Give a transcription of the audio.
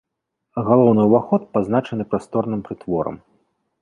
Галоўны уваход пазначаны прасторным прытворам.